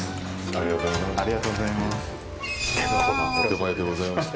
ありがとうございます。